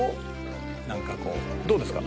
「どうですか？」